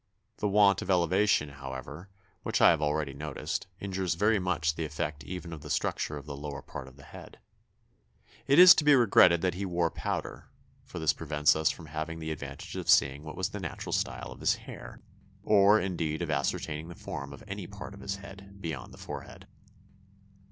The want of elevation, however, which I have already noticed, injures very much the effect even of the structure of the lower part of the head.... It is to be regretted that he wore powder, for this prevents us from having the advantage of seeing what was the natural style of his hair or, indeed, of ascertaining the form of any part of his head beyond the forehead."